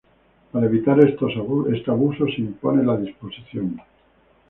Para evitar este abuso, se impone la disposición.